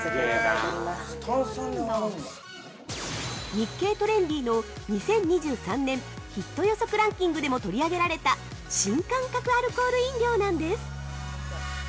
◆日経トレンディの２０２３年ヒット予測ランキングでも取り上げられた新感覚アルコール飲料なんです！